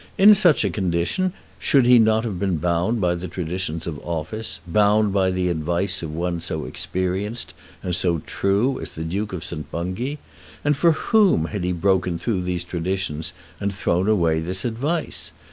In such a condition should he not have been bound by the traditions of office, bound by the advice of one so experienced and so true as the Duke of St. Bungay? And for whom had he broken through these traditions and thrown away this advice?